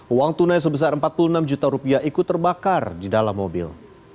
uang tunai sebesar empat puluh enam juta rupiah ikut terbakar di dalam mobil